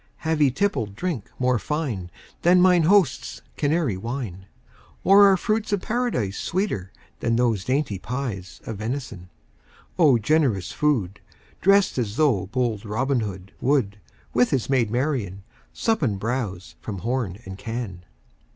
Have ye tippled drink more fine Than mine host's Canary wine? Or are fruits of Paradise Sweeter than those dainty pies Of venison? O generous food! Drest as though bold Robin Hood 10 Would, with his maid Marian, Sup and bowse from horn and can.